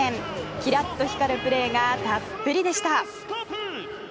キラッと光るプレーがたっぷりでした。